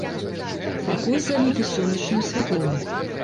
Пакой заліты сонечным святлом.